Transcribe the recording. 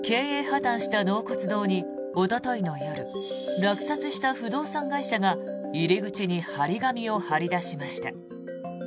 破たんした納骨堂におとといの夜落札した不動産会社が入り口に貼り紙を貼り出しました。